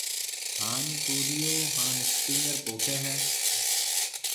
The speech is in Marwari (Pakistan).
ھان توريو ھان اسپنگر پوکيَ ھيََََ